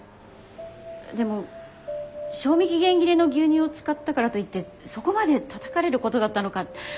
でも賞味期限切れの牛乳を使ったからといってそこまでたたかれることだったのか。